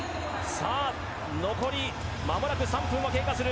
残りまもなく３分を経過する。